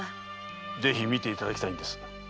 ぜひ見ていただきたいんです。